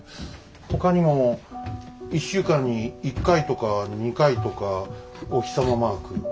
ほかにも１週間に１回とか２回とかお日様マーク。